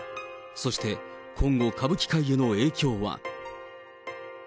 そして今後、歌舞伎界への影響は。